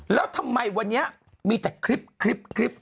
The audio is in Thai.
แล้วทำไมวันนี้มีแต่คลิป